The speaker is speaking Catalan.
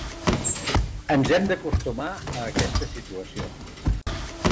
Ens hem d’acostumar a aquesta situació.